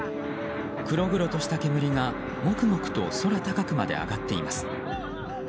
黒々とした煙がもくもくと空高くまで上がっています。